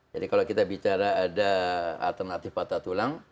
jadi kalau kita bicara ada alternatif patah tulang